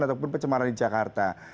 ataupun pecemaran di jakarta